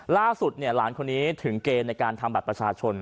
ล่าสุดหลานคนนี้ถึงเกณฑ์ในการทำบัตรประชาชน